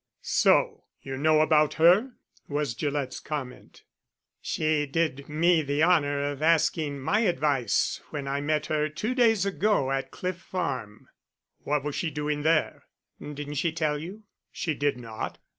"So, you know about her?" was Gillett's comment. "She did me the honour of asking my advice when I met her two days ago at Cliff Farm." "What was she doing there?" "Didn't she tell you?" "She did not."